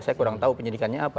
saya kurang tahu penyidikannya apa